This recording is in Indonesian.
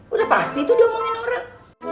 udah pasti tuh diomongin orang